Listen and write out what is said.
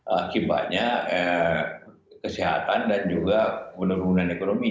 akibatnya kesehatan dan juga penurunan ekonomi